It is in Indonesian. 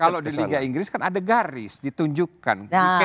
kalau di liga inggris kan ada garis ditunjukkan